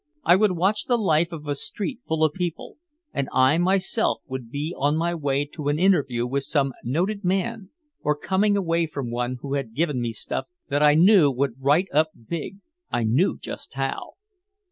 I would watch the life of a street full of people, and I myself would be on my way to an interview with some noted man or coming away from one who had given me stuff that I knew would write up big I knew just how!